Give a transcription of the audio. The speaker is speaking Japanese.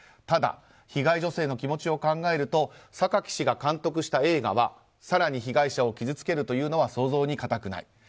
ただ、被害女性の気持ちを考えると榊氏が監督した映画は更に被害者を傷つけるというのは想像に難くない。